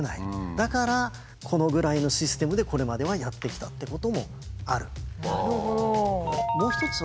だからこのぐらいのシステムでこれまではやってきたっていうこともある。